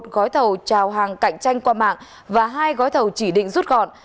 gói thầu trào hàng cạnh tranh qua mạng và hai gói thầu chỉ định rút gọn